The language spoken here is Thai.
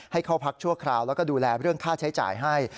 ให้เข้าพักชั่วคราวแล้วก็ดูแลเรื่องค่าใช้จ่ายให้